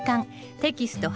テキスト８